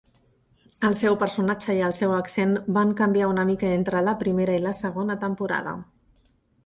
El seu personatge i el seu accent van canviar una mica entre la primera i la segona temporada.